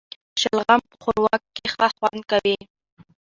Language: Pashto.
شلغم په ښوروا کي ښه خوند کوي